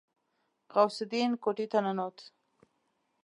غوث الدين کوټې ته ننوت.